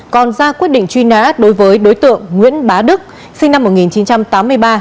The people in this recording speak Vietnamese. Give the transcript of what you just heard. còn ra quyết định truy nã đối với đối tượng nguyễn bá đức sinh năm một nghìn chín trăm tám mươi ba